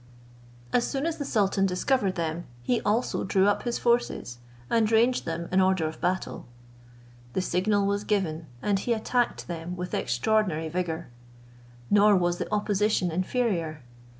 As soon as the sultan discovered them, he also drew up his forces, and ranged them in order of battle. The signal was given and he attacked them with extraordinary vigour; nor was the opposition inferior.